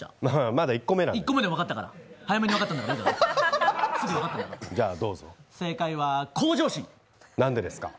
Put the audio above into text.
まだ１個目なんで１個目で分かったから早めに分かったんだからいいだろ別にすぐ分かったんだからじゃあどうぞ正解は向上心何でですか？